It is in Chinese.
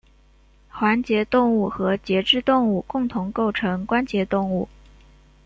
环节动物和节肢动物共同构成关节动物。